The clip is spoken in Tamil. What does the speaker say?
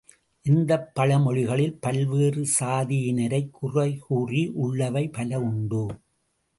இந்தப் பழமொழிகளில் பல்வேறு சாதியினரைக் குறை கூறி உள்ளவை பல உண்டு.